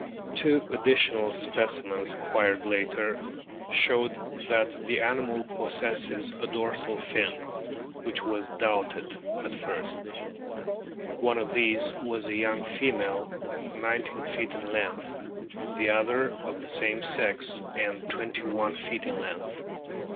Two additional specimens acquired later* showed that the animal possesses a dorsal fin (which was doubted at first). One of these was a young female, nineteen feet in length ; the other of the same sex, and twenty one feet in lenoth.